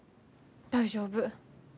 大丈夫。